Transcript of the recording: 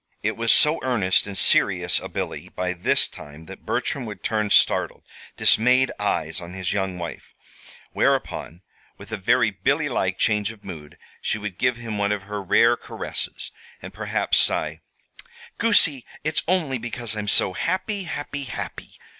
It was so earnest and serious a Billy by this time that Bertram would turn startled, dismayed eyes on his young wife; whereupon, with a very Billy like change of mood, she would give him one of her rare caresses, and perhaps sigh: "Goosey it's only because I'm so happy, happy, happy!